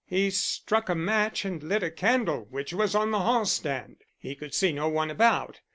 He struck a match and lit a candle which was on the hallstand. He could see no one about.